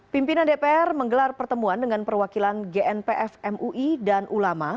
pimpinan dpr menggelar pertemuan dengan perwakilan gnpf mui dan ulama